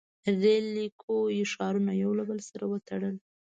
• ریل لیکو ښارونه یو له بل سره وتړل.